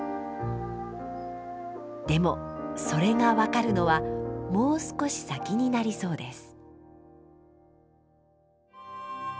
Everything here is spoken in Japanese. でもそれが分かるのはもう少し先になりそうです。